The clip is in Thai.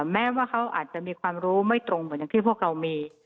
แม้ว่าเขาอาจจะมีความรู้ไม่ตรงเหมือนอย่างที่พวกเรามี